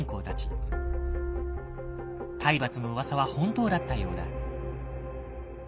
体罰の噂は本当だったようだ。